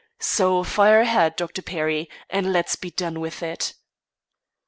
So, fire ahead, Dr. Perry, and let's be done with it."